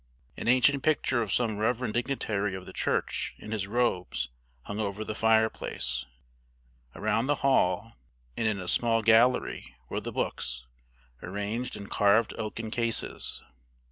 An ancient picture of some reverend dignitary of the Church in his robes hung over the fireplace. Around the hall and in a small gallery were the books, arranged in carved oaken cases.